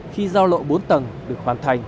khi giao lộ bốn tầng được hoàn thành